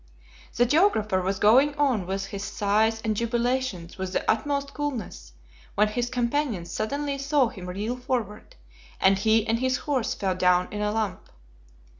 The geographer was going on with his sighs and jubilations with the utmost coolness, when his companions suddenly saw him reel forward, and he and his horse fell down in a lump.